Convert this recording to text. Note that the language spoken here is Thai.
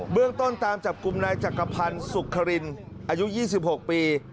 เรื่องต้นตามจับกลุ่มนายจักรพันธ์สุขรินอายุ๒๖ปี